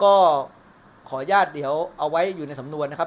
ก็ขออนุญาตเดี๋ยวเอาไว้อยู่ในสำนวนนะครับ